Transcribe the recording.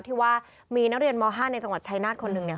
ที่ว่ามีนักเรียนม๕ในจังหวัดชายนาฏคนหนึ่งเนี่ย